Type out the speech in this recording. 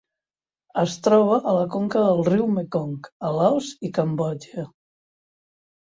Es troba a la conca del riu Mekong a Laos i Cambodja.